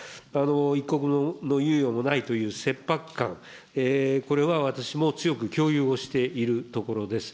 一刻の猶予もないという切迫感、これは私も強く共有をしているところです。